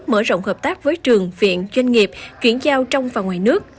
mở rộng hợp tác với trường viện doanh nghiệp chuyển giao trong và ngoài nước